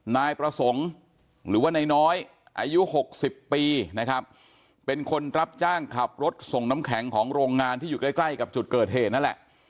นายประสงค์หรือว่านายน้อยอายุหกสิบปีนะครับเป็นคนรับจ้างขับรถส่งน้ำแข็งของโรงงานที่อยู่ใกล้ใกล้กับจุดเกิดเหตุนั่นแหละ